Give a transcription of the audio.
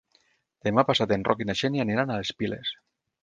Demà passat en Roc i na Xènia aniran a les Piles.